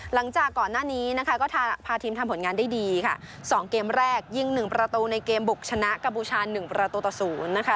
หลังจากก่อนหน้านี้นะคะก็พาทีมทำผลงานได้ดีค่ะสองเกมแรกยิงหนึ่งประตูในเกมบุกชนะกัมพูชาหนึ่งประตูต่อศูนย์นะคะ